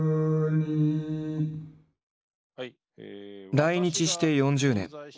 来日して４０年。